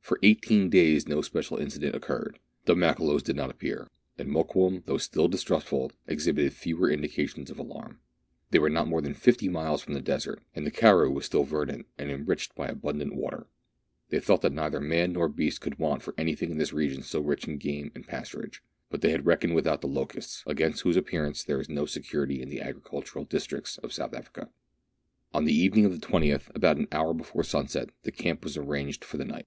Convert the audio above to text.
For eighteen days no special incident occurred. The Makololos did not appear, and Mokoum, though still dis trustful, exhibited fewer indications of alarm. They were not more than fifty miles from the desert ; and the karroo was still verdant, and enriched by abundant water. They thought that neither man nor beast could want for any thing in this region so rich in game and pasturage; but they had reckoned without the locusts, against whose appearance there is no security in the agricultural districts of South Africa, On the evening of the 20th, about an hour befou sunset the camp was arranged for the night.